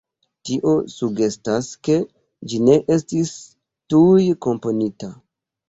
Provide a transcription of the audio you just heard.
Tio sugestas ke ĝi ne estis tuj komponita.